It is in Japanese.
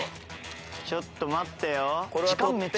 ちょっと待ってよ